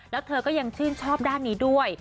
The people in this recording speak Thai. แล้วเธอก็ยังชื่นชอบด้านนี้ด้วย